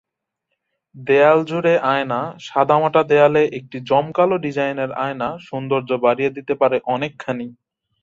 দেয়ালজুড়ে আয়নাসাদামাটা দেয়ালে একটি জমকালো ডিজাইনের আয়না সৌন্দর্য বাড়িয়ে দিতে পারে অনেকখানি।